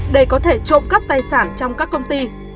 để có thể trộm cắp tài sản trong các công ty